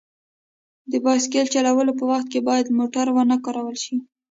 د بایسکل چلولو په وخت باید موبایل ونه کارول شي.